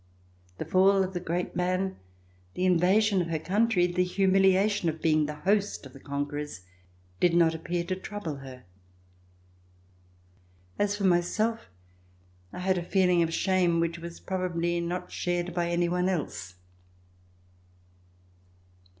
The fall of the great man, the invasion of her country, the humiliation of being the host of the conquerors did not appear to trouble her. As for myself, I had a feeling of shame which was probably not shared by any one else.